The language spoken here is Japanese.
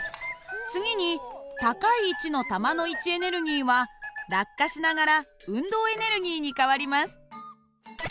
次に高い位置の球の位置エネルギーは落下しながら運動エネルギーに変わります。